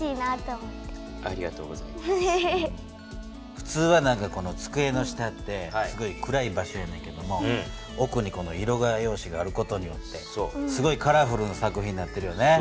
ふつうはつくえの下ってすごい暗い場所やねんけども奥に色画用紙がある事によってすごいカラフルな作品になってるよね。